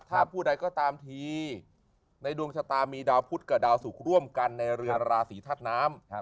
ถ้าผู้ใดก็ตามทีในดวงชะตามีดาวพุทธกับดาวสุกร่วมกันในเรือราศีธาตุน้ำ